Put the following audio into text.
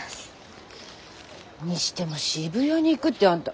にしても渋谷に行くってあんた。